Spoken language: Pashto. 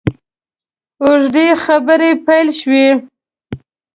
اوږدې خبرې پیل شوې.